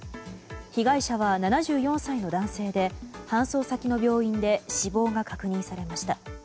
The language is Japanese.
被害者は７４歳の男性で搬送先の病院で死亡が確認されました。